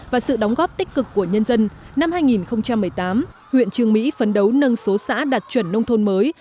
và sự đóng góp tích cực của nhân dân năm hai nghìn một mươi tám huyện trường mỹ phấn đấu nâng số xã đạt chuẩn nông thôn mới